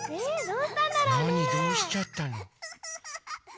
どうしちゃったの？